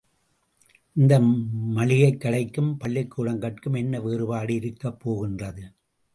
இந்த மளிகைக் கடைக்கும் பள்ளிக்கூடங்கட்கும் என்ன வேறுபாடு இருக்கப் போகின்றது?